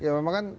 ya memang kan